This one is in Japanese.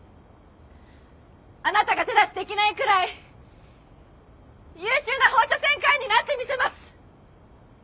あなたが手出しできないくらい優秀な放射線科医になってみせます。